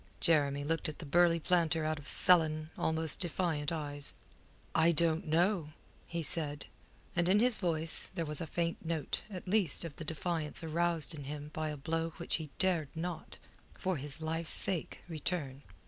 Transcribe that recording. Jeremy looked at the burly planter out of sullen, almost defiant eyes. "I don't know," he said, and in his voice there was a faint note at least of the defiance aroused in him by a blow which he dared not, for his life's sake, return.